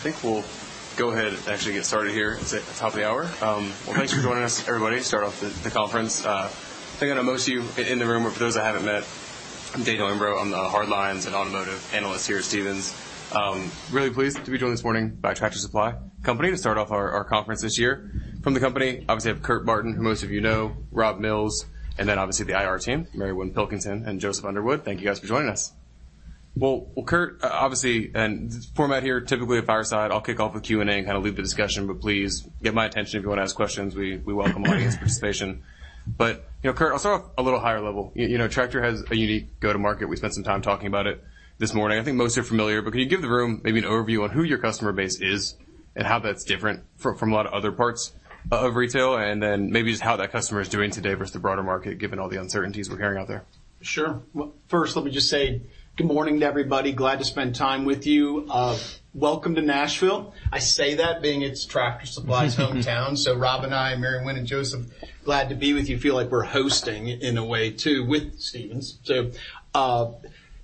I think we'll go ahead and actually get started here. It's at the top of the hour. Well, thanks for joining us, everybody, to start off the conference. I think I know most of you in the room, but for those I haven't met, I'm Daniel Imbro. I'm the hardlines and automotive analyst here at Stephens. Really pleased to be joined this morning by Tractor Supply Company to start off our conference this year. From the company, obviously, I have Kurt Barton, who most of you know, Rob Mills, and then obviously the IR team, Mary Winn Pilkington and Joseph Underwood. Thank you guys for joining us. Well, Kurt, obviously, and the format here, typically a fireside, I'll kick off with Q&A and kind of lead the discussion, but please get my attention if you wanna ask questions. We welcome audience participation. But, you know, Kurt, I'll start off a little higher level. You know, Tractor has a unique go-to-market. We spent some time talking about it this morning. I think most are familiar, but can you give the room maybe an overview on who your customer base is and how that's different from a lot of other parts of retail, and then maybe just how that customer is doing today versus the broader market, given all the uncertainties we're hearing out there? Sure. Well, first, let me just say good morning to everybody. Glad to spend time with you. Welcome to Nashville. I say that being it's Tractor Supply's hometown. So Rob and I, and Mary Winn and Joseph, glad to be with you. Feel like we're hosting in a way, too, with Stephens. So,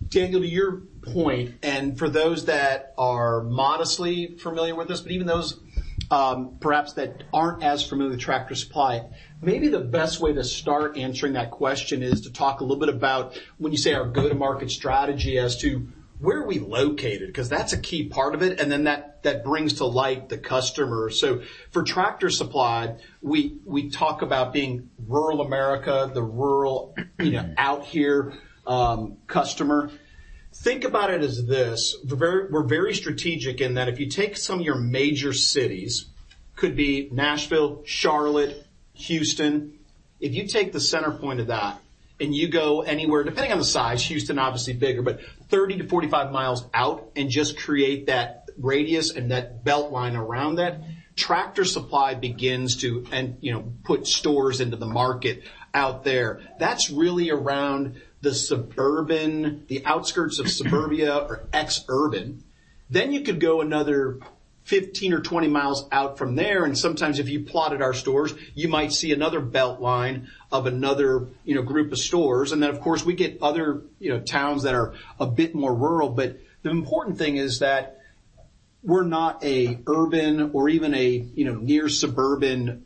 Daniel, to your point, and for those that are modestly familiar with this, but even those, perhaps that aren't as familiar with Tractor Supply, maybe the best way to start answering that question is to talk a little bit about when you say our go-to-market strategy as to where are we located, 'cause that's a key part of it, and then that brings to light the customer. So for Tractor Supply, we talk about being rural America, the rural, you know, out here, customer. Think about it as this: very... We're very strategic in that if you take some of your major cities, could be Nashville, Charlotte, Houston, if you take the center point of that, and you go anywhere, depending on the size, Houston obviously bigger, but 30-45 miles out and just create that radius and that belt line around that, Tractor Supply begins to, and, you know, put stores into the market out there. That's really around the suburban, the outskirts of suburbia or exurban. Then you could go another 15 or 20 miles out from there, and sometimes if you plotted our stores, you might see another belt line of another, you know, group of stores. And then, of course, we get other, you know, towns that are a bit more rural. But the important thing is that we're not an urban or even a, you know, near suburban,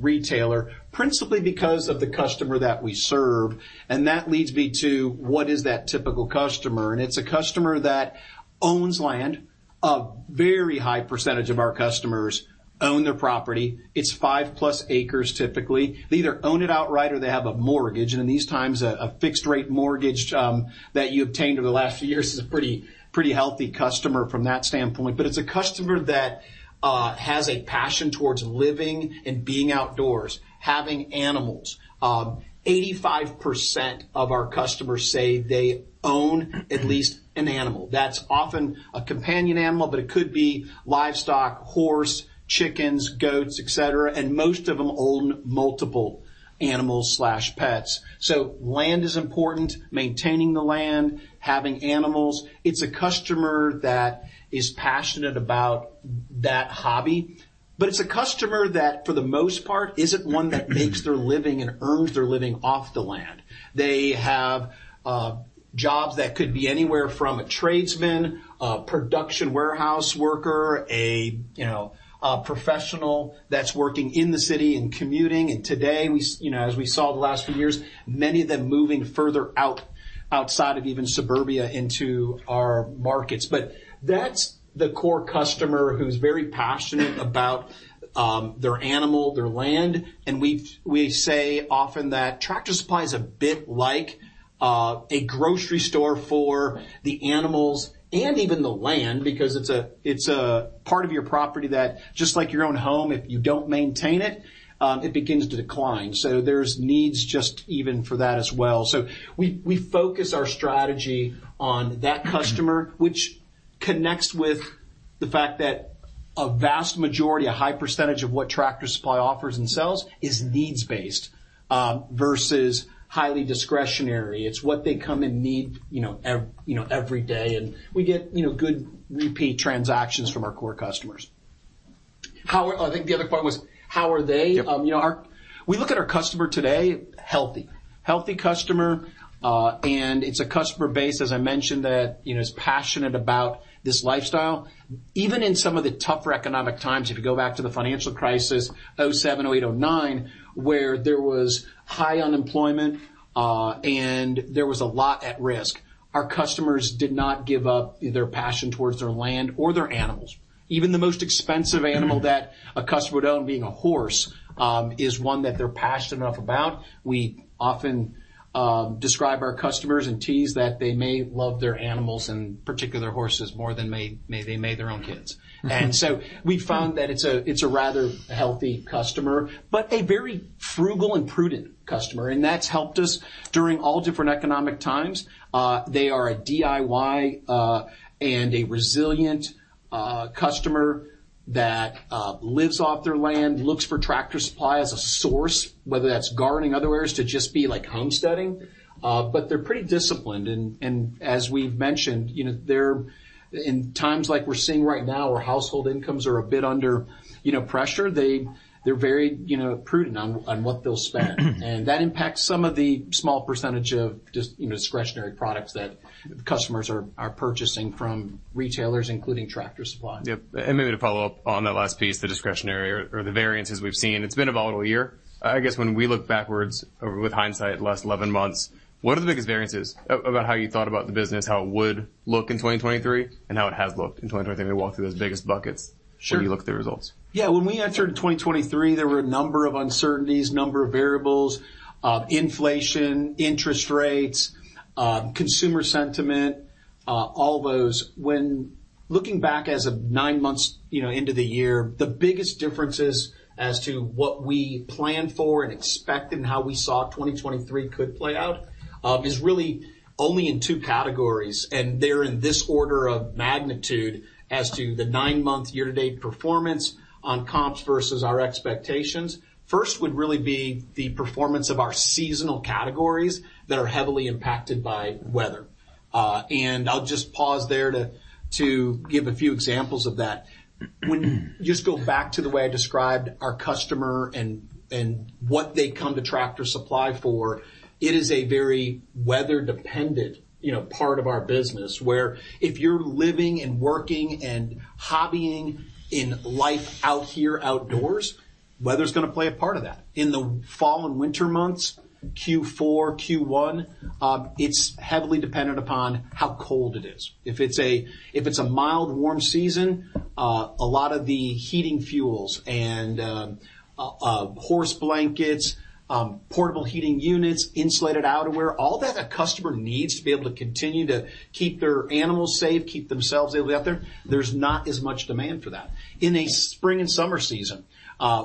retailer, principally because of the customer that we serve, and that leads me to, what is that typical customer? And it's a customer that owns land. A very high percentage of our customers own their property. It's 5-plus acres, typically. They either own it outright or they have a mortgage, and in these times, a fixed-rate mortgage that you obtained over the last few years is a pretty, pretty healthy customer from that standpoint. But it's a customer that has a passion towards living and being outdoors, having animals. Eighty-five percent of our customers say they own at least an animal. That's often a companion animal, but it could be livestock, horse, chickens, goats, et cetera, and most of them own multiple animals/pets. So land is important, maintaining the land, having animals. It's a customer that is passionate about that hobby, but it's a customer that, for the most part, isn't one that makes their living and earns their living off the land. They have jobs that could be anywhere from a tradesman, a production warehouse worker, you know, a professional that's working in the city and commuting. And today, you know, as we saw the last few years, many of them moving further out, outside of even suburbia into our markets. But that's the core customer who's very passionate about their animal, their land, and we say often that Tractor Supply is a bit like a grocery store for the animals and even the land, because it's a part of your property that, just like your own home, if you don't maintain it, it begins to decline. So there's needs just even for that as well. So we focus our strategy on that customer, which connects with the fact that a vast majority, a high percentage of what Tractor Supply offers and sells is needs-based versus highly discretionary. It's what they come and need, you know, you know, every day, and we get, you know, good repeat transactions from our core customers. How I think the other part was, how are they? Yep. You know, we look at our customer today, healthy. Healthy customer, and it's a customer base, as I mentioned, that, you know, is passionate about this lifestyle. Even in some of the tougher economic times, if you go back to the financial crisis, 2007, 2008, 2009, where there was high unemployment, and there was a lot at risk, our customers did not give up their passion towards their land or their animals. Even the most expensive animal that a customer would own, being a horse, is one that they're passionate enough about. We often describe our customers and tease that they may love their animals, and particularly their horses, more than they may their own kids. We found that it's a rather healthy customer, but a very frugal and prudent customer, and that's helped us during all different economic times. They are a DIY and a resilient customer that lives off their land, looks for Tractor Supply as a source, whether that's gardening, other areas, to just be like homesteading. But they're pretty disciplined, and as we've mentioned, you know, they're in times like we're seeing right now, where household incomes are a bit under, you know, pressure, they're very, you know, prudent on what they'll spend. And that impacts some of the small percentage of just, you know, discretionary products that customers are purchasing from retailers, including Tractor Supply. Yep, and maybe to follow up on that last piece, the discretionary or, or the variances we've seen, it's been a volatile year. I guess when we look backwards or with hindsight, the last 11 months, what are the biggest variances about how you thought about the business, how it would look in 2023, and how it has looked in 2023? Maybe walk through those biggest buckets. Sure. When you look at the results. Yeah, when we entered 2023, there were a number of uncertainties, number of variables, inflation, interest rates, consumer sentiment, all those. When looking back as of 9 months, you know, into the year, the biggest differences as to what we planned for and expected and how we saw 2023 could play out, is really only in two categories, and they're in this order of magnitude as to the 9-month year-to-date performance on comps versus our expectations. First, would really be the performance of our seasonal categories that are heavily impacted by weather. And I'll just pause there to give a few examples of that. When you just go back to the way I described our customer and what they come to Tractor Supply for, it is a very weather-dependent, you know, part of our business, where if you're living and working and hobbying in life out here outdoors, weather's gonna play a part of that. In the fall and winter months, Q4, Q1, it's heavily dependent upon how cold it is. If it's a mild, warm season, a lot of the heating fuels and horse blankets, portable heating units, insulated outerwear, all that a customer needs to be able to continue to keep their animals safe, keep themselves able out there, there's not as much demand for that. In a spring and summer season,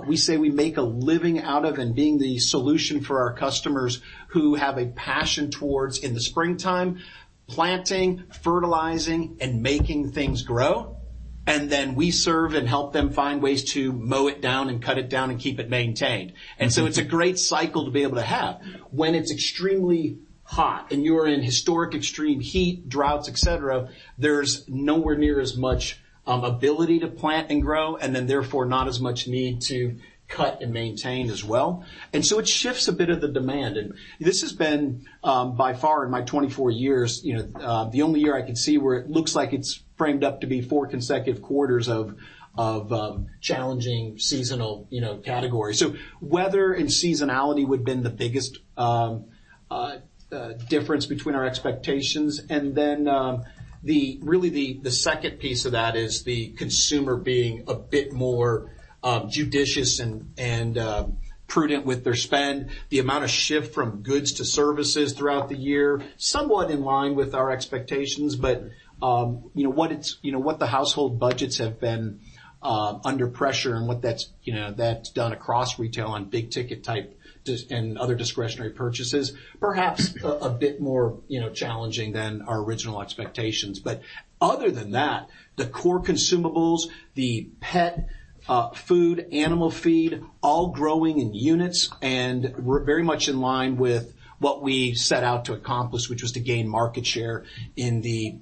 we say we make a living out of and being the solution for our customers who have a passion towards, in the springtime, planting, fertilizing, and making things grow, and then we serve and help them find ways to mow it down and cut it down and keep it maintained. It's a great cycle to be able to have. When it's extremely hot, and you're in historic extreme heat, droughts, et cetera, there's nowhere near as much ability to plant and grow, and then therefore not as much need to cut and maintain as well. It shifts a bit of the demand. This has been, by far in my 24 years, you know, the only year I could see where it looks like it's framed up to be four consecutive quarters of challenging seasonal, you know, categories. Weather and seasonality would've been the biggest difference between our expectations. Then, really, the second piece of that is the consumer being a bit more judicious and prudent with their spend. The amount of shift from goods to services throughout the year, somewhat in line with our expectations, but, you know, what it's, you know, what the household budgets have been under pressure and what that's, you know, that's done across retail on big ticket type discretionary and other discretionary purchases, perhaps a bit more, you know, challenging than our original expectations. But other than that, the core consumables, the pet food, animal feed, all growing in units, and we're very much in line with what we set out to accomplish, which was to gain market share in the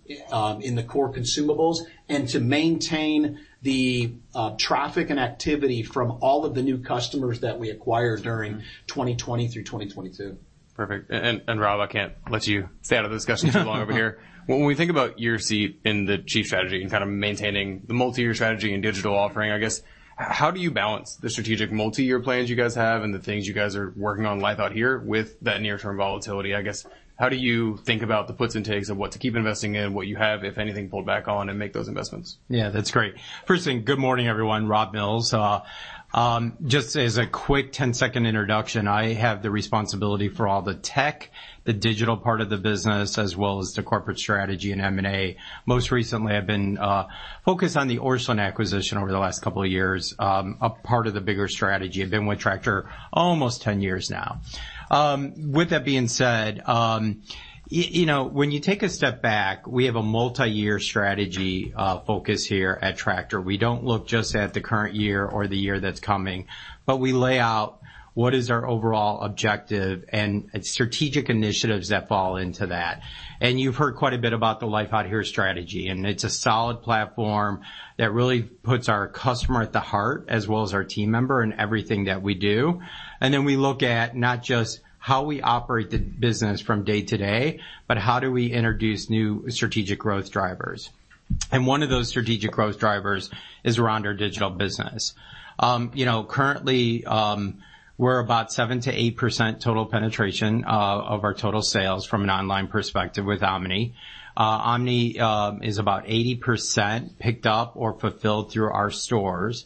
core consumables and to maintain the traffic and activity from all of the new customers that we acquired during 2020 through 2022. Perfect. And, and, Rob, I can't let you stay out of the discussion too long over here. When we think about your seat in the chief strategy and kind of maintaining the multiyear strategy and digital offering, I guess, how do you balance the strategic multiyear plans you guys have and the things you guys are working on Life Out Here with that near-term volatility? I guess, how do you think about the puts and takes of what to keep investing in, what you have, if anything, pulled back on and make those investments? Yeah, that's great. First thing, good morning, everyone, Rob Mills. Just as a quick 10-second introduction, I have the responsibility for all the tech, the digital part of the business, as well as the corporate strategy and M&A. Most recently, I've been focused on the Orscheln acquisition over the last couple of years, a part of the bigger strategy. I've been with Tractor almost 10 years now. With that being said, you know, when you take a step back, we have a multiyear strategy focus here at Tractor. We don't look just at the current year or the year that's coming, but we lay out what is our overall objective and strategic initiatives that fall into that. You've heard quite a bit about the Life Out Here strategy, and it's a solid platform that really puts our customer at the heart, as well as our team member, in everything that we do. Then we look at not just how we operate the business from day to day, but how do we introduce new strategic growth drivers? And one of those strategic growth drivers is around our digital business. You know, currently, we're about 7%-8% total penetration of our total sales from an online perspective with omni. Omni is about 80% picked up or fulfilled through our stores,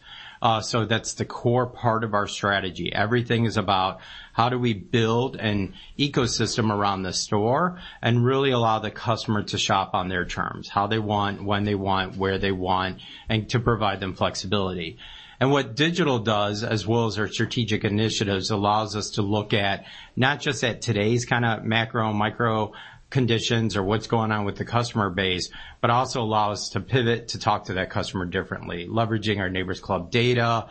so that's the core part of our strategy. Everything is about how we build an ecosystem around the store and really allow the customer to shop on their terms? How they want, when they want, where they want, and to provide them flexibility. What digital does, as well as our strategic initiatives, allows us to look at not just at today's kind of macro and micro conditions or what's going on with the customer base, but also allow us to pivot, to talk to that customer differently, leveraging our Neighbor's Club data,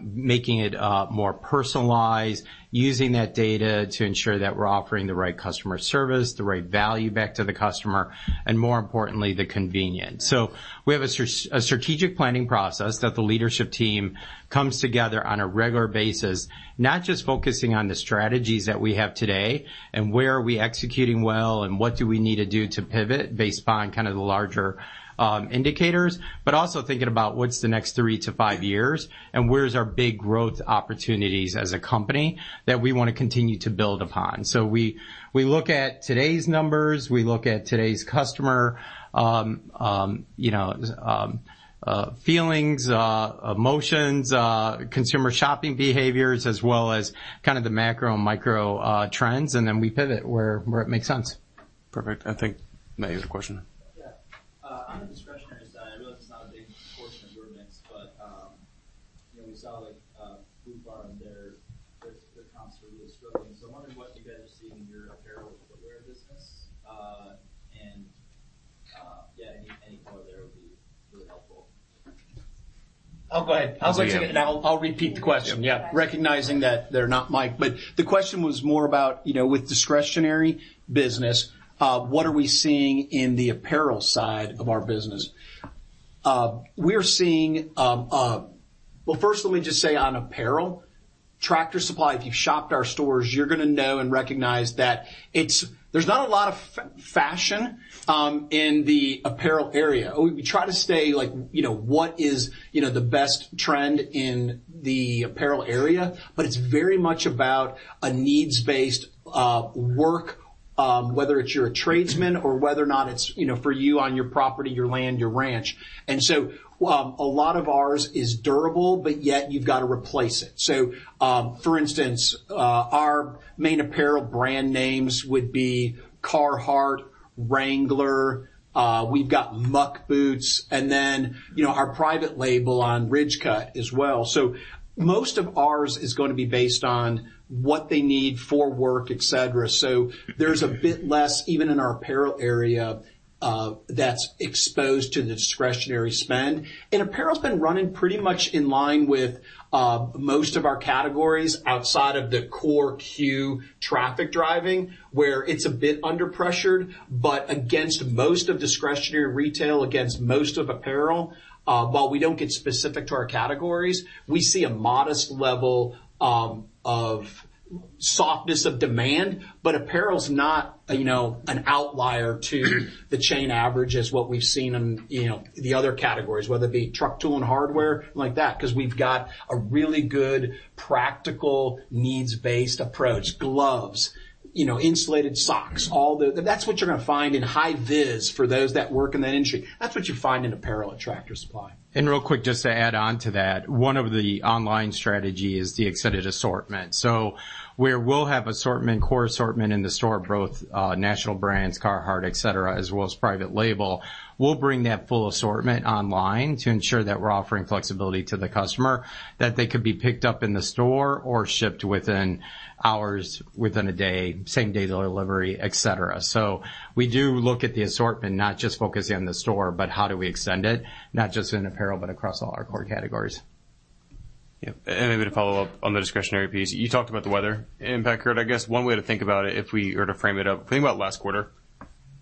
making it more personalized, using that data to ensure that we're offering the right customer service, the right value back to the customer, and more importantly, the convenience. So we have a strategic planning process that the leadership team comes together on a regular basis, not just focusing on the strategies that we have today and where are we executing well, and what do we need to do to pivot based upon kind of the larger, indicators, but also thinking about what's the next three to five years, and where's our big growth opportunities as a company that we wanna continue to build upon? So we look at today's numbers, we look at today's customer, you know, feelings, emotions, consumer shopping behaviors, as well as kind of the macro and micro, trends, and then we pivot where it makes sense. Perfect. I think Matt, you had a question. Tractor Supply, if you've shopped our stores, you're gonna know and recognize that there's not a lot of fashion in the apparel area. We try to stay, like, you know, what is, you know, the best trend in the apparel area, but it's very much about a needs-based work, whether you're a tradesman or whether or not it's, you know, for you on your property, your land, your ranch. And so, a lot of ours is durable, but yet you've got to replace it. So, for instance, our main apparel brand names would be Carhartt, Wrangler, we've got Muck Boots, and then, you know, our private label on Ridgecut as well. So most of ours is going to be based on what they need for work, et cetera. So there's a bit less, even in our apparel area, that's exposed to the discretionary spend. Apparel's been running pretty much in line with most of our categories outside of the core Q traffic driving, where it's a bit under pressured, but against most of discretionary retail, against most of apparel, while we don't get specific to our categories, we see a modest level of softness of demand, but apparel's not, you know, an outlier to the chain average as what we've seen in, you know, the other categories, whether it be truck, tool, and hardware like that, because we've got a really good, practical, needs-based approach. Gloves, you know, insulated socks, all the... That's what you're going to find in hi-vis for those that work in that industry. That's what you find in apparel at Tractor Supply. And real quick, just to add on to that, one of the online strategy is the extended assortment. So where we'll have assortment, core assortment in the store, both national brands, Carhartt, et cetera, as well as private label, we'll bring that full assortment online to ensure that we're offering flexibility to the customer, that they could be picked up in the store or shipped within hours, within a day, same-day delivery, et cetera. So we do look at the assortment, not just focusing on the store, but how do we extend it, not just in apparel, but across all our core categories. Yeah. And maybe to follow up on the discretionary piece, you talked about the weather impact. Kurt, I guess one way to think about it, if we were to frame it up, think about last quarter,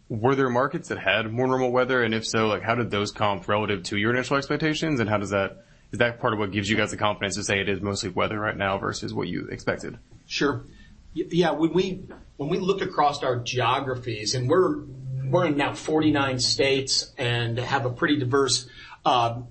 were there markets that had more normal weather? And if so, like, how did those comp relative to your initial expectations, and how does that, is that part of what gives you guys the confidence to say it is mostly weather right now versus what you expected? Sure. Yeah, yeah, when we, when we look across our geographies, and we're running now 49 states and have a pretty diverse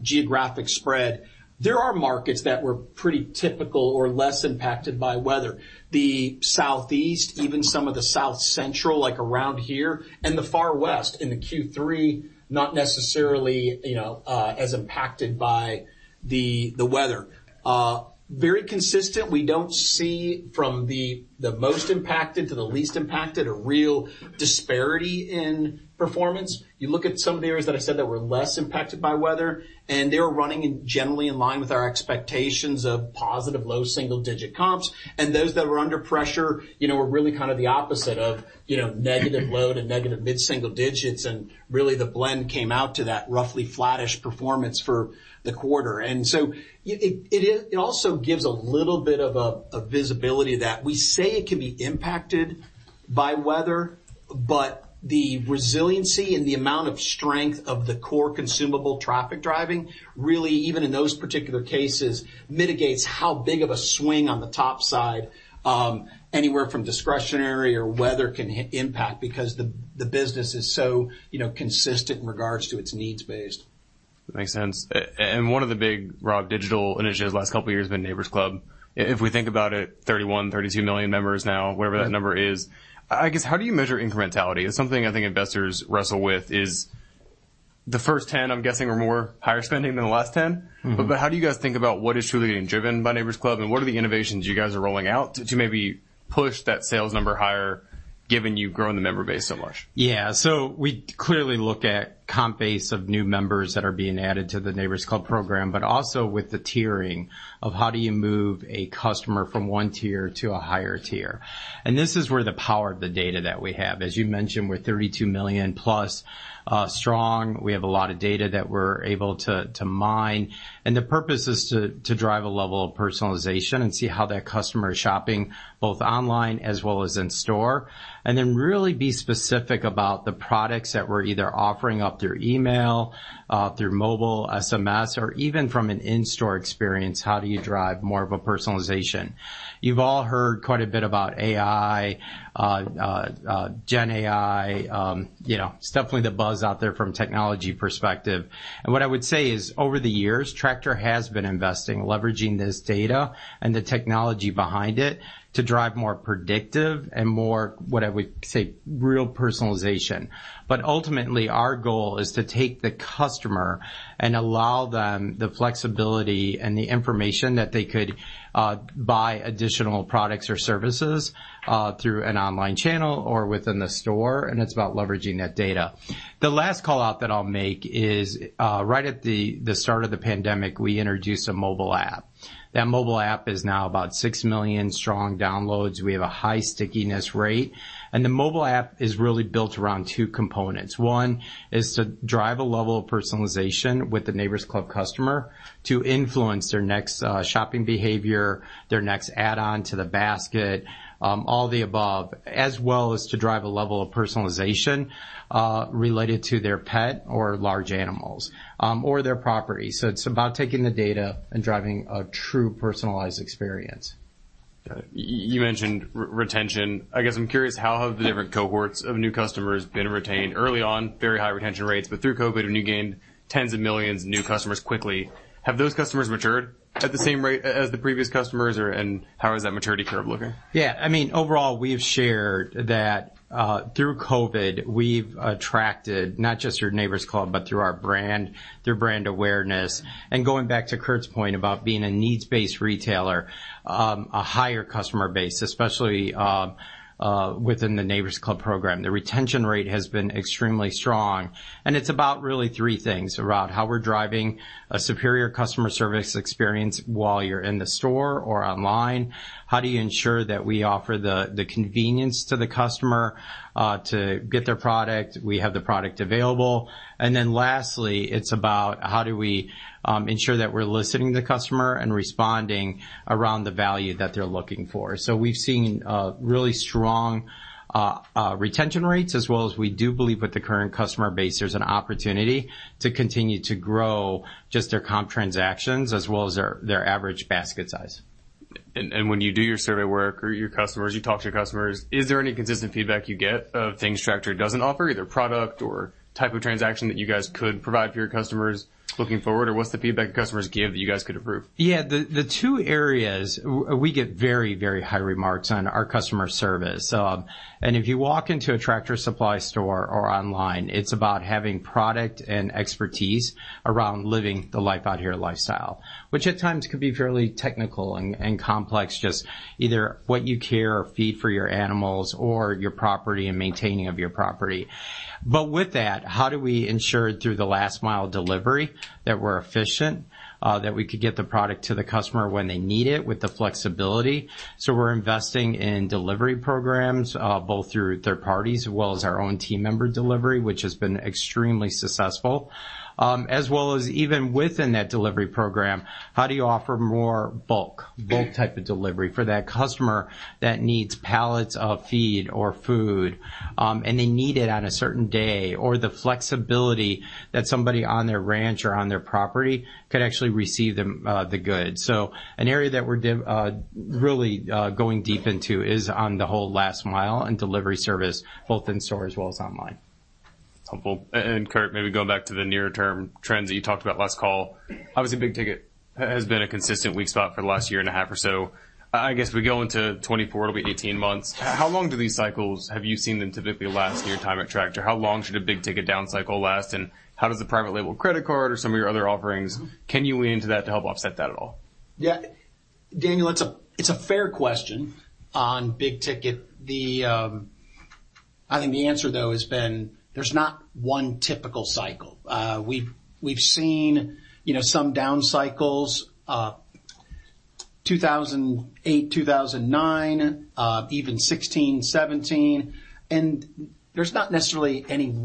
geographic spread, there are markets that were pretty typical or less impacted by weather. The Southeast, even some of the South Central, like around here and the Far West in the Q3, not necessarily, you know, as impacted by the weather. Very consistent. We don't see from the most impacted to the least impacted, a real disparity in performance. You look at some of the areas that I said that were less impacted by weather, and they were running generally in line with our expectations of positive low single-digit comps. And those that were under pressure, you know, were really kind of the opposite of, you know, negative load and negative mid single digits, and really, the blend came out to that roughly flattish performance for the quarter. And so it also gives a little bit of a visibility that we say it can be impacted by weather, but the resiliency and the amount of strength of the core consumable traffic driving, really, even in those particular cases, mitigates how big of a swing on the top side anywhere from discretionary or weather can impact because the business is so, you know, consistent in regards to its needs-based. Makes sense. And one of the big, Rob, digital initiatives last couple of years has been Neighbor's Club. If we think about it, 31-32 million members now, wherever that number is, I guess, how do you measure incrementality? It's something I think investors wrestle with, is the first 10, I'm guessing, are more higher spending than the last 10. But how do you guys think about what is truly being driven by Neighbor's Club, and what are the innovations you guys are rolling out to maybe push that sales number higher, given you've grown the member base so much? Yeah. So we clearly look at comp base of new members that are being added to the Neighbor's Club program, but also with the tiering of how do you move a customer from one tier to a higher tier? And this is where the power of the data that we have. As you mentioned, we're 32 million plus strong. We have a lot of data that we're able to mine, and the purpose is to drive a level of personalization and see how that customer is shopping, both online as well as in store, and then really be specific about the products that we're either offering up through email, through mobile, SMS, or even from an in-store experience, how do you drive more of a personalization? You've all heard quite a bit about AI, GenAI. You know, it's definitely the buzz out there from a technology perspective. And what I would say is, over the years, Tractor has been investing, leveraging this data and the technology behind it to drive more predictive and more, what I would say, real personalization. But ultimately, our goal is to take the customer and allow them the flexibility and the information that they could buy additional products or services through an online channel or within the store, and it's about leveraging that data. The last call-out that I'll make is right at the start of the pandemic, we introduced a mobile app. That mobile app is now about 6 million strong downloads. We have a high stickiness rate, and the mobile app is really built around two components. One is to drive a level of personalization with the Neighbor's Club customer to influence their next, shopping behavior, their next add-on to the basket, all the above, as well as to drive a level of personalization, related to their pet or large animals, or their property. So it's about taking the data and driving a true personalized experience. Got it. You mentioned retention. I guess I'm curious, how have the different cohorts of new customers been retained? Early on, very high retention rates, but through COVID, when you gained tens of millions of new customers quickly, have those customers matured at the same rate as the previous customers or... and how is that maturity curve looking? Yeah. I mean, overall, we've shared that, through COVID, we've attracted not just through Neighbor's Club, but through our brand, through brand awareness, and going back to Kurt's point about being a needs-based retailer, a higher customer base, especially, within the Neighbor's Club program. The retention rate has been extremely strong, and it's about really three things: around how we're driving a superior customer service experience while you're in the store or online, how do you ensure that we offer the, the convenience to the customer, to get their product, we have the product available, and then lastly, it's about how do we, ensure that we're listening to the customer and responding around the value that they're looking for? We've seen really strong retention rates as well as we do believe with the current customer base, there's an opportunity to continue to grow just their comp transactions as well as their average basket size. When you do your survey work or your customers, you talk to your customers, is there any consistent feedback you get of things Tractor doesn't offer, either product or type of transaction, that you guys could provide for your customers looking forward, or what's the feedback customers give that you guys could improve? Yeah. The two areas... We get very, very high remarks on our customer service. And if you walk into a Tractor Supply store or online, it's about having product and expertise around living the Life Out Here lifestyle, which at times can be fairly technical and complex, just either what you care or feed for your animals or your property and maintaining of your property. But with that, how do we ensure through the last mile delivery that we're efficient, that we could get the product to the customer when they need it with the flexibility? So we're investing in delivery programs, both through third parties as well as our own team member delivery, which has been extremely successful. As well as even within that delivery program, how do you offer more bulk, bulk type of delivery for that customer that needs pallets of feed or food, and they need it on a certain day, or the flexibility that somebody on their ranch or on their property could actually receive the goods? So an area that we're really going deep into is on the whole last mile and delivery service, both in store as well as online. Helpful. Kurt, maybe going back to the near-term trends that you talked about last call, obviously, big ticket has been a consistent weak spot for the last year and a half or so. I guess we go into 2024, it'll be 18 months. How long do these cycles, have you seen them typically last in your time at Tractor? How long should a big ticket down cycle last, and how does the private label credit card or some of your other offerings, can you lean into that to help offset that at all? Yeah, Daniel, it's a fair question on big ticket. I think the answer, though, has been there's not one typical cycle. We've seen, you know, some down cycles, 2008, 2009, even 2016, 2017, and there's not necessarily any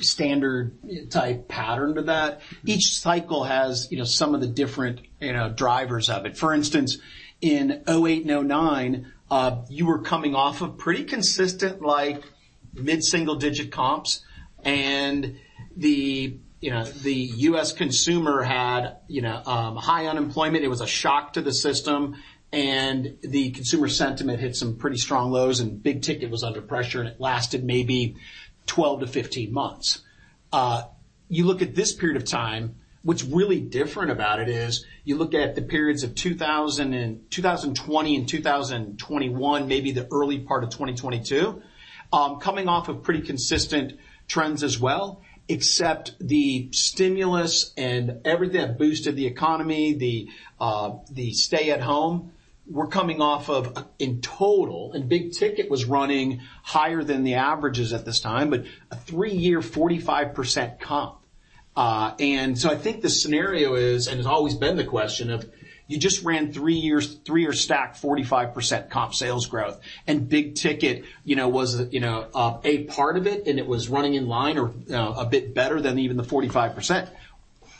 standard type pattern to that. Each cycle has, you know, some of the different, you know, drivers of it. For instance, in 2008 and 2009, you were coming off of pretty consistent, like, mid-single-digit comps, and the, you know, the U.S. consumer had, you know, high unemployment. It was a shock to the system, and the consumer sentiment hit some pretty strong lows, and big ticket was under pressure, and it lasted maybe 12-15 months. You look at this period of time, what's really different about it is, you look at the periods of 2020 and 2021, maybe the early part of 2022. Coming off of pretty consistent trends as well, except the stimulus and everything that boosted the economy, the stay at home, we're coming off of, in total, and big ticket was running higher than the averages at this time, but a three-year, 45% comp. And so I think the scenario is, and it's always been the question of, you just ran three years, three-year stack, 45% comp sales growth, and big ticket, you know, was, you know, a part of it, and it was running in line or a bit better than even the 45%.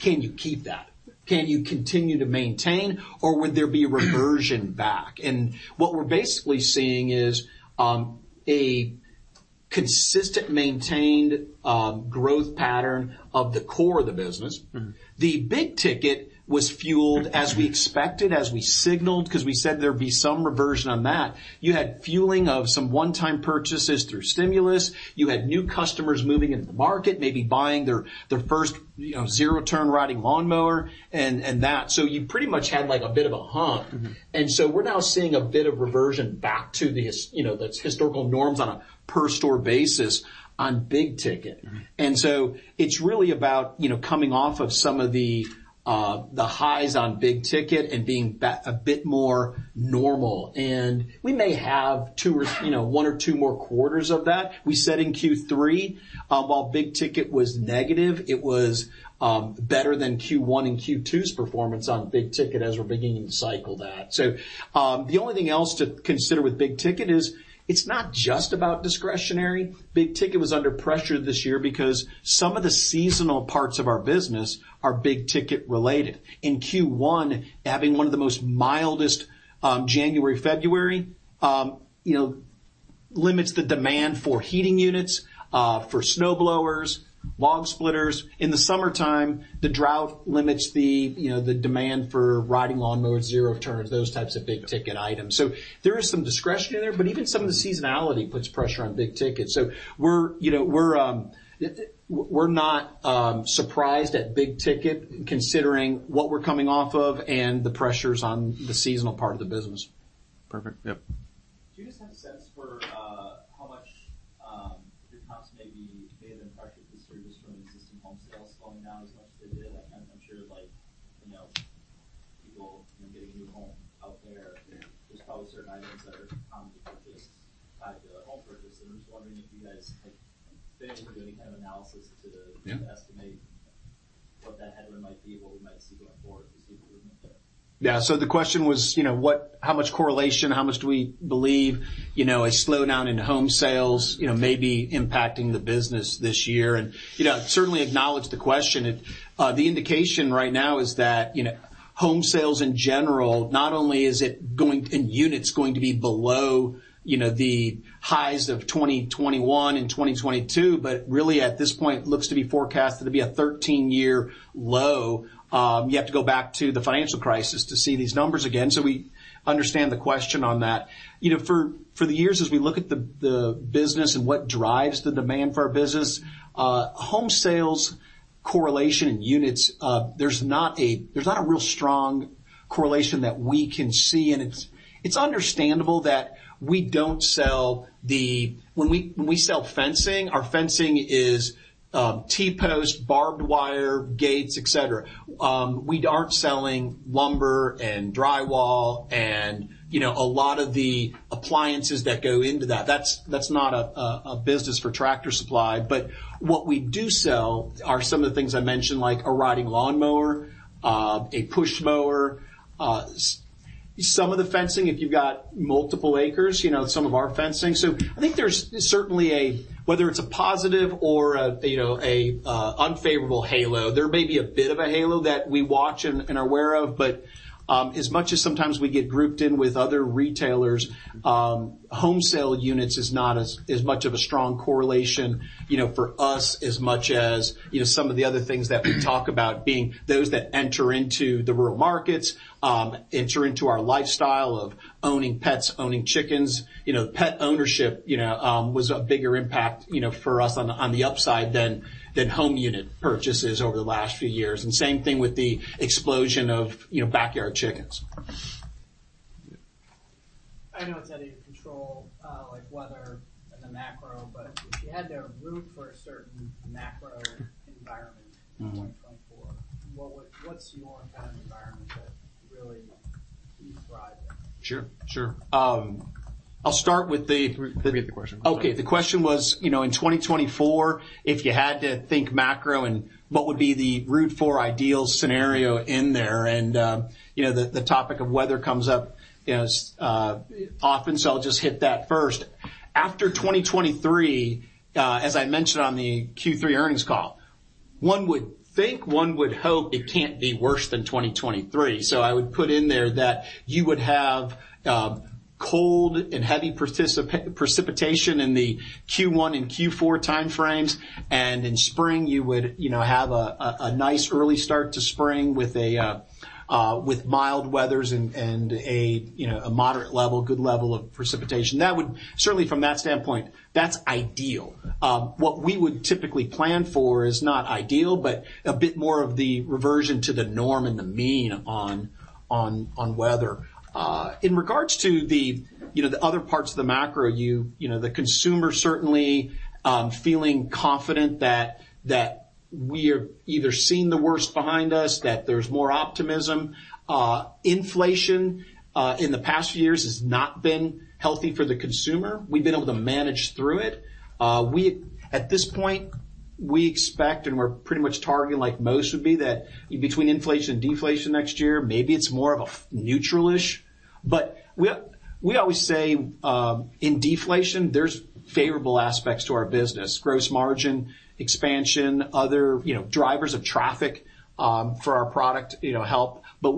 Can you keep that? Can you continue to maintain, or would there be reversion back? And what we're basically seeing is a consistent, maintained growth pattern of the core of the business. The big ticket was fueled as we expected, as we signaled, because we said there'd be some reversion on that. You had fueling of some one-time purchases through stimulus. You had new customers moving into the market, maybe buying their first, you know, zero-turn riding lawnmower and that. So you pretty much had, like, a bit of a hump. We're now seeing a bit of reversion back to the historical, you know, norms on a per store basis on big ticket. So it's really about, you know, coming off of some of the highs on big ticket and being back a bit more normal. We may have two or, you know, one or two more quarters of that. We said in Q3, while big ticket was negative, it was better than Q1 and Q2's performance on big ticket as we're beginning to cycle that. So, the only thing else to consider with big ticket is, it's not just about discretionary. Big ticket was under pressure this year because some of the seasonal parts of our business are big ticket related. In Q1, having one of the most mildest January, February, you know, limits the demand for heating units, for snowblowers, log splitters. In the summertime, the drought limits the, you know, the demand for riding lawnmowers, zero-turn, those types of big ticket items. So there is some discretion in there, but even some of the seasonality puts pressure on big ticket. So we're, you know, not surprised at big ticket, considering what we're coming off of and the pressures on the seasonal part of the business. Perfect. Yep. Do you just have a sense for you know, the highs of 2021 and 2022, but really, at this point, looks to be forecasted to be a 13-year low. You have to go back to the financial crisis to see these numbers again. So we understand the question on that. You know, for the years, as we look at the business and what drives the demand for our business, home sales correlation in units, there's not a real strong correlation that we can see, and it's understandable that we don't sell. When we sell fencing, our fencing is T-posts, barbed wire, gates, et cetera. We aren't selling lumber and drywall and, you know, a lot of the appliances that go into that. That's not a business for Tractor Supply, but what we do sell are some of the things I mentioned, like a riding lawnmower, a push mower, some of the fencing, if you've got multiple acres, you know, some of our fencing. So I think there's certainly a... Whether it's a positive or a, you know, a unfavorable halo, there may be a bit of a halo that we watch and, and are aware of, but, as much as sometimes we get grouped in with other retailers, home sale units is not as, as much of a strong correlation, you know, for us, as much as, you know, some of the other things that we talk about being those that enter into the rural markets, enter into our lifestyle of owning pets, owning chickens. You know, pet ownership, you know, was a bigger impact, you know, for us on the, on the upside than, than home unit purchases over the last few years. And same thing with the explosion of, you know, backyard chickens. Yeah. I know it's out of your control, like weather and the macro, but if you had to root for a certain macro environment in 2024, what's your kind of environment that really you thrive in? Sure, sure. I'll start with the- Repeat the question. Okay, the question was, you know, in 2024, if you had to think macro and what would be the root for ideal scenario in there? And, you know, the topic of weather comes up, you know, often, so I'll just hit that first. After 2023, as I mentioned on the Q3 earnings call, one would think, one would hope it can't be worse than 2023. So I would put in there that you would have, cold and heavy precipitation in the Q1 and Q4 timeframes, and in spring, you would, you know, have a nice early start to spring with a, with mild weathers and, and a, you know, a moderate level, good level of precipitation. That would, certainly from that standpoint, that's ideal. What we would typically plan for is not ideal, but a bit more of the reversion to the norm and the mean on weather. In regards to the, you know, the other parts of the macro, you know, the consumer certainly feeling confident that we are either seeing the worst behind us, that there's more optimism. Inflation in the past few years has not been healthy for the consumer. We've been able to manage through it. We at this point, we expect, and we're pretty much targeting like most would be, that between inflation and deflation next year, maybe it's more of a neutral-ish. But we always say, in deflation, there's favorable aspects to our business. Gross margin expansion, other, you know, drivers of traffic for our product, you know, help. But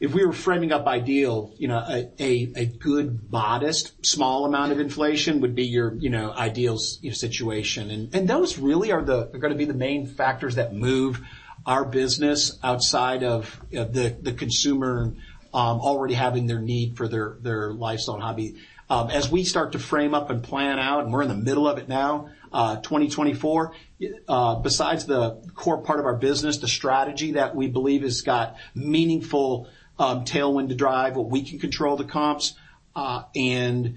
if we were framing up ideal, you know, a good, modest, small amount of inflation would be your, you know, ideal situation. And those really are gonna be the main factors that move our business outside of the consumer already having their need for their lifestyle and hobby. As we start to frame up and plan out, and we're in the middle of it now, 2024, besides the core part of our business, the strategy that we believe has got meaningful tailwind to drive, where we can control the comps, and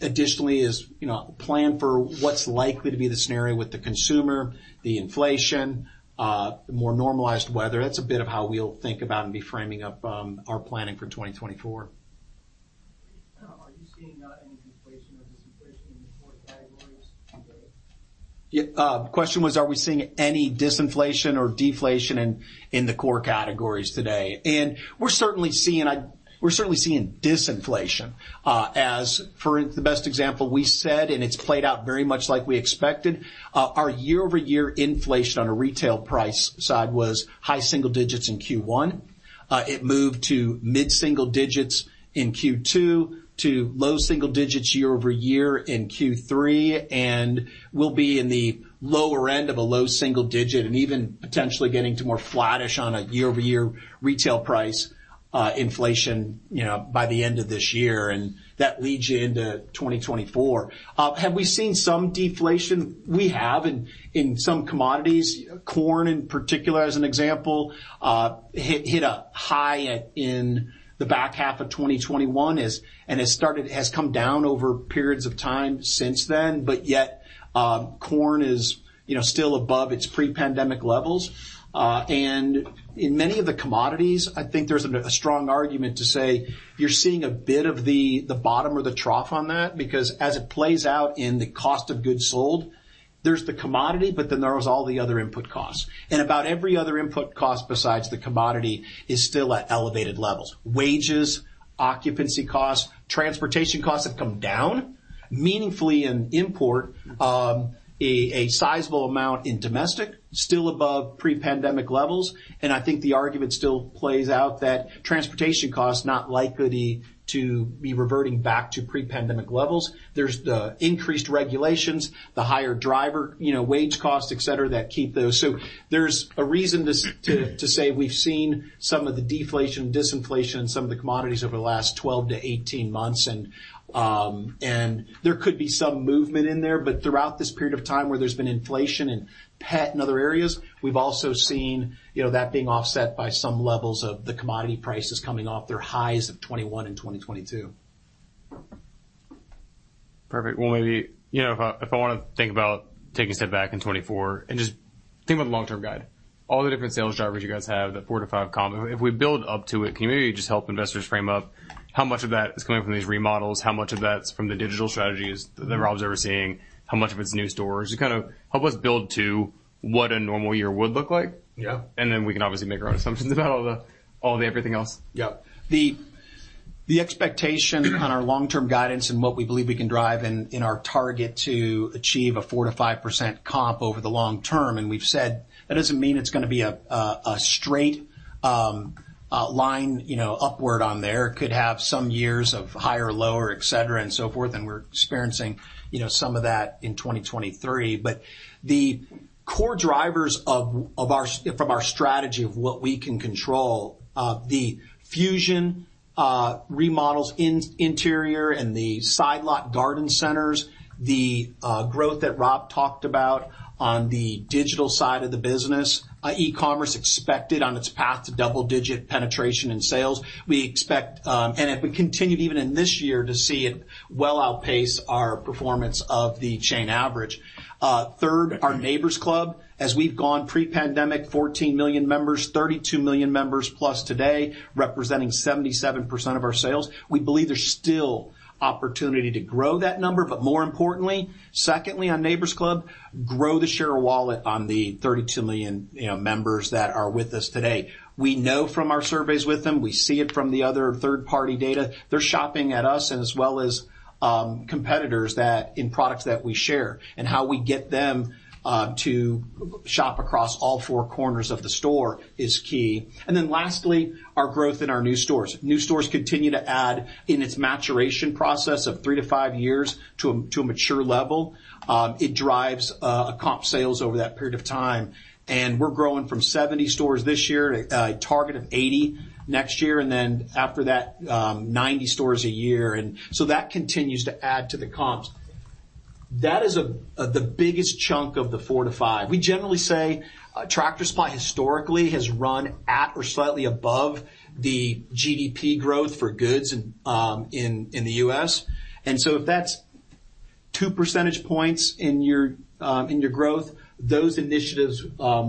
additionally is, you know, plan for what's likely to be the scenario with the consumer, the inflation, more normalized weather. That's a bit of how we'll think about and be framing up our planning for 2024. Are you seeing any inflation or disinflation in the core categories today? Yeah, the question was, are we seeing any disinflation or deflation in the core categories today? We're certainly seeing disinflation. As for the best example, we said, and it's played out very much like we expected, our year-over-year inflation on a retail price side was high single digits in Q1. It moved to mid-single digits in Q2, to low single digits year-over-year in Q3, and will be in the lower end of a low single digit and even potentially getting to more flattish on a year-over-year retail price, inflation, you know, by the end of this year, and that leads you into 2024. Have we seen some deflation? We have in some commodities. Corn, in particular, as an example, hit a high at, in the back half of 2021 is... has come down over periods of time since then, but yet, corn is, you know, still above its pre-pandemic levels. And in many of the commodities, I think there's a strong argument to say you're seeing a bit of the bottom or the trough on that, because as it plays out in the cost of goods sold, there's the commodity, but then there is all the other input costs. And about every other input cost besides the commodity is still at elevated levels. Wages, occupancy costs, transportation costs have come down meaningfully in import, a sizable amount in domestic, still above pre-pandemic levels, and I think the argument still plays out that transportation costs not likely to be reverting back to pre-pandemic levels. There's the increased regulations, the higher driver, you know, wage costs, et cetera, that keep those... So there's a reason to say we've seen some of the deflation, disinflation in some of the commodities over the last 12-18 months, and there could be some movement in there, but throughout this period of time where there's been inflation in pet and other areas, we've also seen, you know, that being offset by some levels of the commodity prices coming off their highs of 2021 and 2022. Perfect. Well, maybe, you know, if I want to think about taking a step back in 2024 and just think about the long-term guide, all the different sales drivers you guys have, the 4-5 comp, if we build up to it, can you maybe just help investors frame up how much of that is coming from these remodels? How much of that's from the digital strategies that Rob's overseeing? How much of it's new stores? Just kind of help us build to what a normal year would look like. Yeah. Then we can obviously make our own assumptions about all the everything else. Yeah. The expectation on our long-term guidance and what we believe we can drive in our target to achieve a 4%-5% comp over the long term, and we've said that doesn't mean it's gonna be a straight line, you know, upward on there. It could have some years of higher or lower, et cetera, and so forth, and we're experiencing, you know, some of that in 2023. But the core drivers from our strategy of what we can control, the Fusion remodels, interior and the side lot garden centers, the growth that Rob talked about on the digital side of the business, e-commerce expected on its path to double-digit penetration in sales. We expect, and if we continue even in this year, to see it well outpace our performance of the chain average. Third, our Neighbor's Club, as we've gone pre-pandemic, 14 million members, 32 million members plus today, representing 77% of our sales. We believe there's still opportunity to grow that number, but more importantly, secondly, on Neighbor's Club, grow the share of wallet on the 32 million, you know, members that are with us today. We know from our surveys with them, we see it from the other third-party data, they're shopping at us and as well as competitors, that in products that we share, and how we get them to shop across all four corners of the store is key. And then lastly, our growth in our new stores. New stores continue to add in its maturation process of 3-5 years to a, to a mature level. It drives a comp sales over that period of time, and we're growing from 70 stores this year to a target of 80 next year, and then after that, 90 stores a year. And so that continues to add to the comps. That is the biggest chunk of the 4-5. We generally say Tractor Supply historically has run at or slightly above the GDP growth for goods in the U.S. And so if that's 2 percentage points in your growth, those initiatives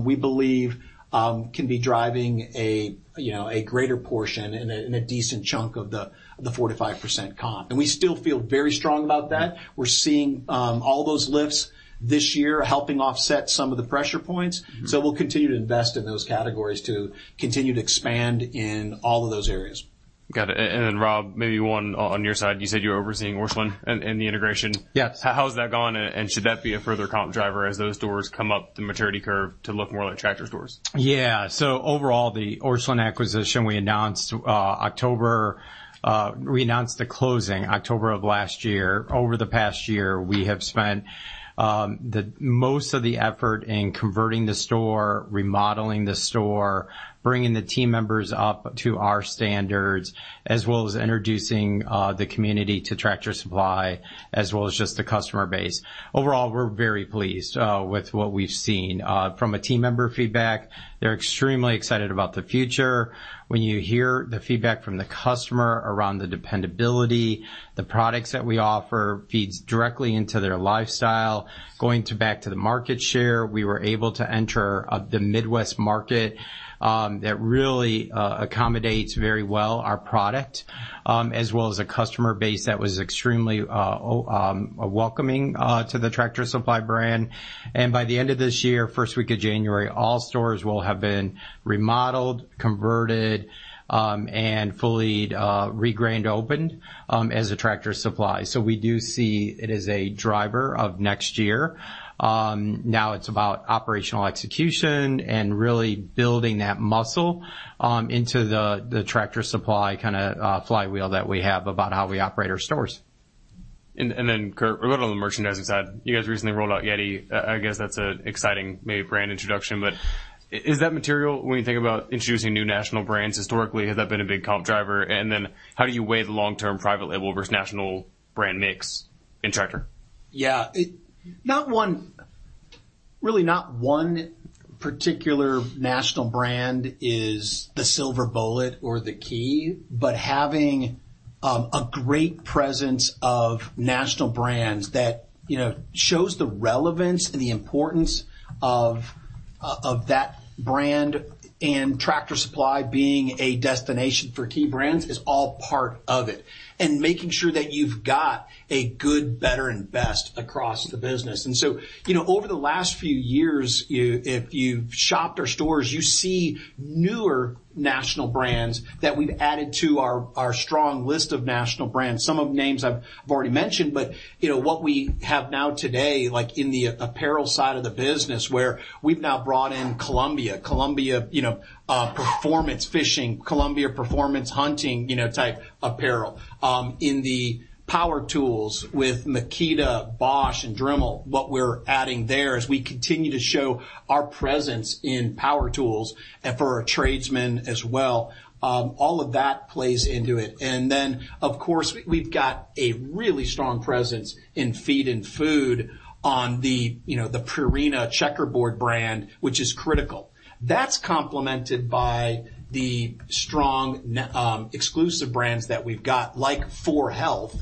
we believe can be driving a you know a greater portion and a decent chunk of the 4%-5% comp. We still feel very strong about that. We're seeing all those lifts this year helping offset some of the pressure points. We'll continue to invest in those categories to continue to expand in all of those areas. Got it. And then, Rob, maybe one on your side, you said you were overseeing Orscheln and the integration. Yes. How is that going, and should that be a further comp driver as those stores come up the maturity curve to look more like Tractor stores? Yeah. So overall, the Orscheln acquisition, we announced, October, we announced the closing October of last year. Over the past year, we have spent, the most of the effort in converting the store, remodeling the store, bringing the team members up to our standards, as well as introducing, the community to Tractor Supply, as well as just the customer base. Overall, we're very pleased, with what we've seen. From a team member feedback, they're extremely excited about the future. When you hear the feedback from the customer around the dependability, the products that we offer feeds directly into their lifestyle. Going to back to the market share, we were able to enter, the Midwest market, that really, accommodates very well our product, as well as a customer base that was extremely, welcoming, to the Tractor Supply brand. By the end of this year, first week of January, all stores will have been remodeled, converted, and fully re-grand-opened as a Tractor Supply. We do see it as a driver of next year. Now it's about operational execution and really building that muscle into the Tractor Supply kinda flywheel that we have about how we operate our stores. And then, Kurt, a little on the merchandising side. You guys recently rolled out YETI. I guess that's an exciting maybe brand introduction, but is that material when you think about introducing new national brands? Historically, has that been a big comp driver? And then how do you weigh the long-term private label versus national brand mix in Tractor? Yeah. Not one particular national brand is the silver bullet or the key, but having a great presence of national brands that, you know, shows the relevance and the importance of of that brand and Tractor Supply being a destination for key brands is all part of it, and making sure that you've got a good, better, and best across the business. So, you know, over the last few years, if you've shopped our stores, you see newer national brands that we've added to our strong list of national brands. Some of the names I've already mentioned, but, you know, what we have now today, like, in the apparel side of the business, where we've now brought in Columbia. Columbia, you know, performance fishing, Columbia performance hunting, you know, type apparel. In the power tools with Makita, Bosch, and Dremel, what we're adding there is we continue to show our presence in power tools and for our tradesmen as well. All of that plays into it. And then, of course, we've got a really strong presence in feed and food on the, you know, the Purina Checkerboard brand, which is critical. That's complemented by the strong exclusive brands that we've got, like 4health,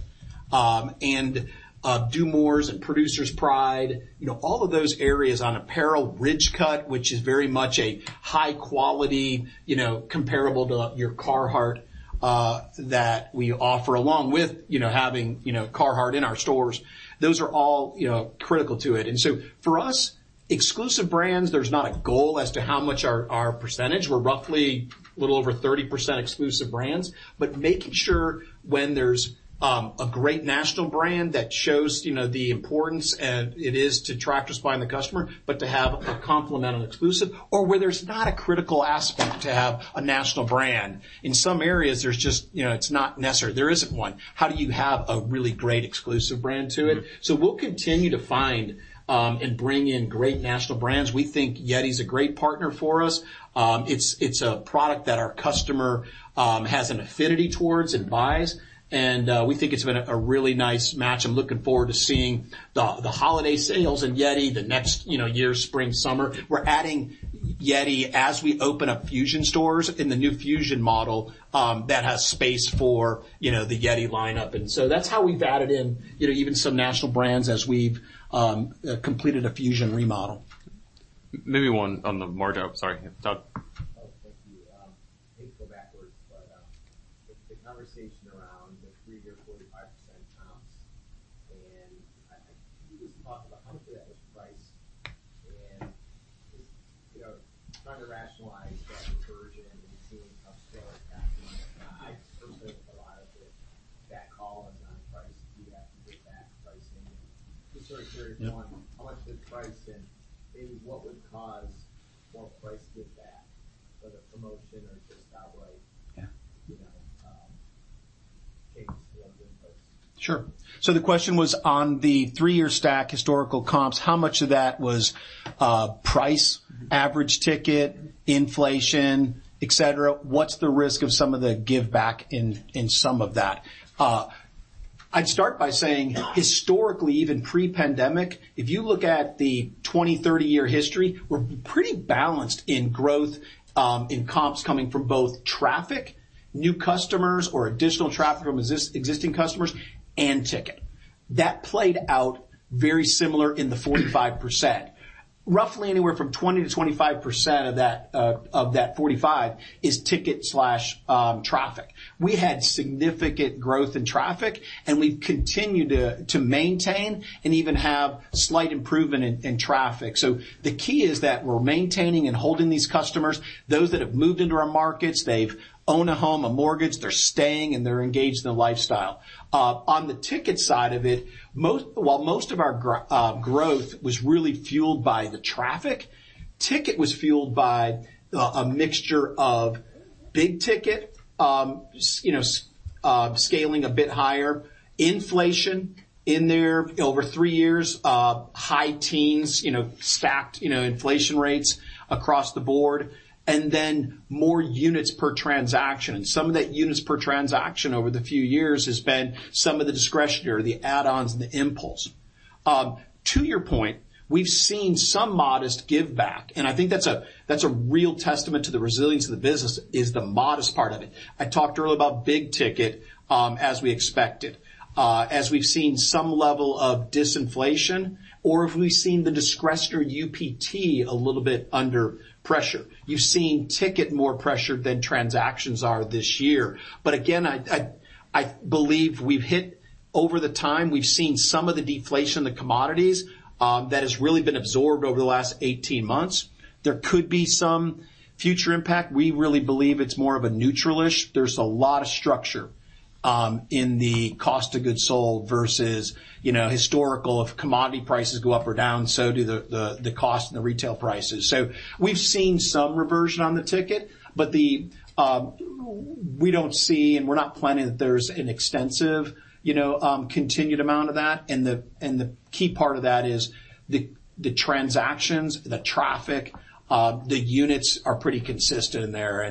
and DuMOR and Producer's Pride, you know, all of those areas on apparel, Ridgecut, which is very much a high quality, you know, comparable to your Carhartt, that we offer, along with, you know, having, you know, Carhartt in our stores. Those are all, you know, critical to it. And so for us, exclusive brands, there's not a goal as to how much our, our percentage. We're roughly a little over 30% exclusive brands, but making sure when there's a great national brand that shows, you know, the importance it is to Tractor Supply and the customer, but to have a complementary and exclusive or where there's not a critical aspect to have a national brand. In some areas, there's just you know, it's not necessary. There isn't one. How do you have a really great exclusive brand to it? So we'll continue to find and bring in great national brands. We think YETI is a great partner for us. It's a product that our customer has an affinity towards and buys, and we think it's been a really nice match. I'm looking forward to seeing the holiday sales in YETI the next, you know, year, spring, summer. We're adding YETI as we open up Fusion stores in the new Fusion model that has space for, you know, the YETI lineup. And so that's how we've added in, you know, even some national brands as we've completed a Fusion remodel. Maybe one on the margin. Sorry, Doug. Oh, thank you. Maybe go backwards, but the conversation around the three-year 45% comps, and can you just talk about how much of that was price? And, you know, trying to rationalize that conversion and seeing upskill, I suspect a lot of it, that call is on price. Do you have to giveback pricing? Just sort of curious- Yep. how much the price and maybe what would cause more price giveback, whether promotion or just outright- Yeah. -you know, changes to those prices? Sure. So the question was, on the three-year stack, historical comps, how much of that was price, average ticket, inflation, et cetera? What's the risk of some of the giveback in some of that? I'd start by saying, historically, even pre-pandemic, if you look at the 20- to 30-year history, we're pretty balanced in growth in comps coming from both traffic, new customers, or additional traffic from existing customers, and ticket. That played out very similar in the 45%. Roughly anywhere from 20%-25% of that of that 45% is ticket slash traffic. We had significant growth in traffic, and we've continued to maintain and even have slight improvement in traffic. So the key is that we're maintaining and holding these customers. Those that have moved into our markets, they've owned a home, a mortgage, they're staying, and they're engaged in the lifestyle. On the ticket side of it, while most of our growth was really fueled by the traffic, ticket was fueled by a mixture of big ticket, you know, scaling a bit higher, inflation in there over 3 years, high teens, you know, stacked, you know, inflation rates across the board, and then more units per transaction. And some of that units per transaction over the few years has been some of the discretionary, the add-ons, and the impulse. To your point, we've seen some modest giveback, and I think that's a real testament to the resilience of the business, is the modest part of it. I talked earlier about big ticket, as we expected. As we've seen some level of disinflation, or if we've seen the discretionary UPT a little bit under pressure. You've seen ticket more pressured than transactions are this year. But again, I believe we've hit... Over the time, we've seen some of the deflation in the commodities, that has really been absorbed over the last 18 months. There could be some future impact. We really believe it's more of a neutral-ish. There's a lot of structure in the cost of goods sold versus, you know, historical. If commodity prices go up or down, so do the cost and the retail prices. So we've seen some reversion on the ticket, but the, we don't see, and we're not planning that there's an extensive, you know, continued amount of that. The key part of that is the transactions, the traffic, the units are pretty consistent in there.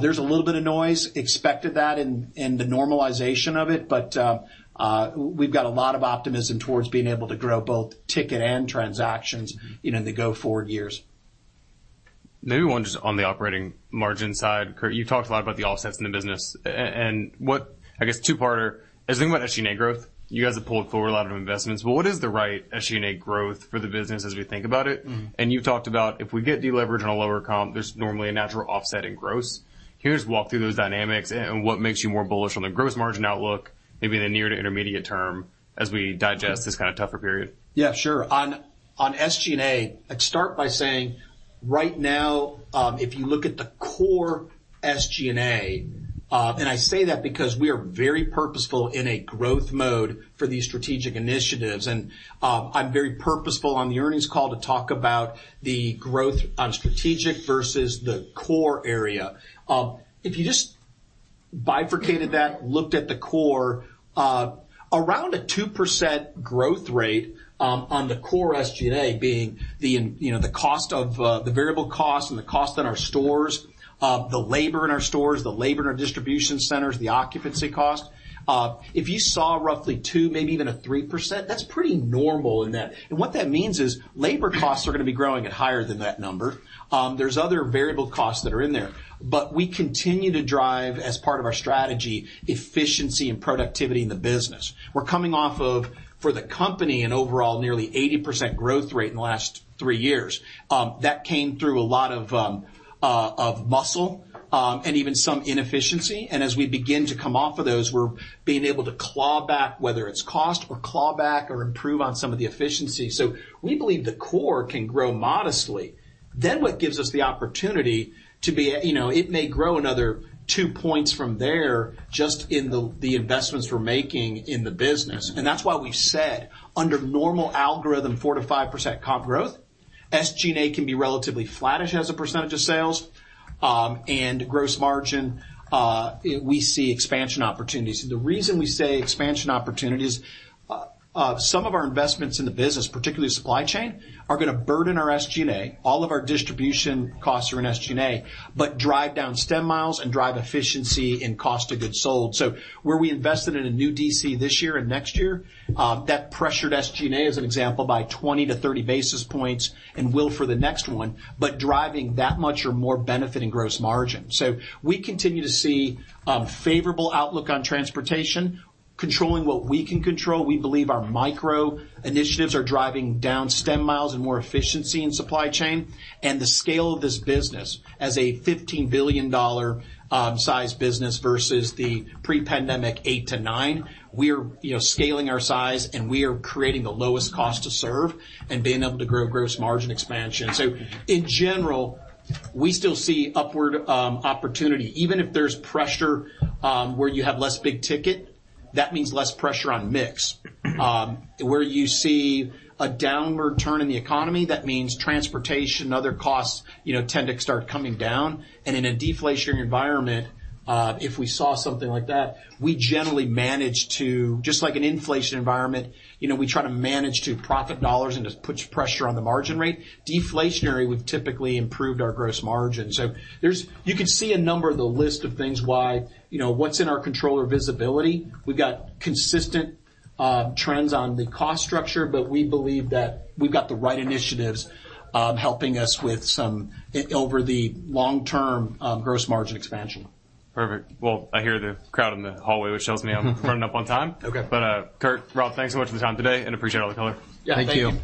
There's a little bit of noise, expected that in the normalization of it, but we've got a lot of optimism towards being able to grow both ticket and transactions, you know, in the go-forward years. Maybe one just on the operating margin side. Kurt, you talked a lot about the offsets in the business. And what, I guess, two-parter, as you think about SG&A growth, you guys have pulled forward a lot of investments, but what is the right SG&A growth for the business as we think about it? You've talked about if we get deleverage on a lower comp, there's normally a natural offset in gross. Can you just walk through those dynamics and what makes you more bullish on the gross margin outlook, maybe in the near to intermediate term, as we digest this kind of tougher period? Yeah, sure. On SG&A, I'd start by saying, right now, if you look at the core SG&A, and I say that because we are very purposeful in a growth mode for these strategic initiatives, and, I'm very purposeful on the earnings call to talk about the growth on strategic versus the core area. If you just bifurcated that, looked at the core, around a 2% growth rate, on the core SG&A being the, you know, the cost of, the variable costs and the cost in our stores, the labor in our stores, the labor in our distribution centers, the occupancy cost. If you saw roughly 2, maybe even a 3%, that's pretty normal in that. And what that means is labor costs are gonna be growing at higher than that number. There's other variable costs that are in there, but we continue to drive, as part of our strategy, efficiency and productivity in the business. We're coming off of, for the company, an overall nearly 80% growth rate in the last three years. That came through a lot of muscle, and even some inefficiency. And as we begin to come off of those, we're being able to claw back, whether it's cost or claw back or improve on some of the efficiency. So we believe the core can grow modestly. Then, what gives us the opportunity to be, you know, it may grow another two points from there, just in the investments we're making in the business. And that's why we've said, under normal algorithm, 4%-5% comp growth, SG&A can be relatively flattish as a percentage of sales, and gross margin, we see expansion opportunities. The reason we say expansion opportunities, some of our investments in the business, particularly supply chain, are gonna burden our SG&A. All of our distribution costs are in SG&A, but drive down stem miles and drive efficiency and cost of goods sold. So where we invested in a new DC this year and next year, that pressured SG&A, as an example, by 20-30 basis points, and will for the next one, but driving that much or more benefit in gross margin. So we continue to see a favorable outlook on transportation. Controlling what we can control, we believe our micro initiatives are driving down stem miles and more efficiency in supply chain. The scale of this business as a $15 billion size business versus the pre-pandemic $8-$9, we are, you know, scaling our size, and we are creating the lowest cost to serve and being able to grow gross margin expansion. So in general, we still see upward opportunity. Even if there's pressure where you have less big ticket, that means less pressure on mix. Where you see a downward turn in the economy, that means transportation and other costs, you know, tend to start coming down. And in a deflationary environment, if we saw something like that, we generally manage to... Just like an inflation environment, you know, we try to manage to profit dollars and just put pressure on the margin rate. Deflationary, we've typically improved our gross margin. So, you can see a number of the list of things why, you know, what's in our control or visibility. We've got consistent trends on the cost structure, but we believe that we've got the right initiatives helping us with some, over the long term, gross margin expansion. Perfect. Well, I hear the crowd in the hallway, which tells me I'm running up on time. Okay. Kurt, Rob, thanks so much for the time today, and appreciate all the color. Yeah, thank you.